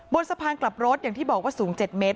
บนสะพานกลับรถอย่างที่บอกว่าสูง๗เมตร